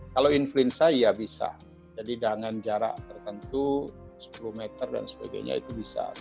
kalau influenza ya bisa jadi dengan jarak tertentu sepuluh meter dan sebagainya itu bisa